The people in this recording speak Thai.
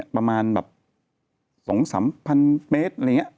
ประมาณแบบ๒๓๐๐๐เมตรอะไรอย่างนี้